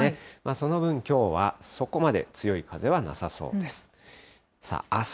その分、きょうはそこまで強い風はなさそうです。